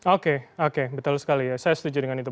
oke oke betul sekali ya saya setuju dengan itu